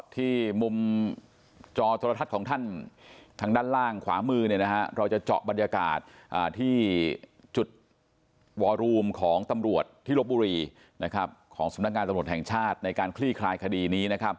ที่มุมจอโทรทัศน์ของท่านทางด้านล่างขวามือเราจะเจาะบรรยากาศที่จุดวอรูมของตำรวจที่ลบบุรีของสำนักงานตำรวจแห่งชาติในการคลี่คลายคดีนี้นะครับ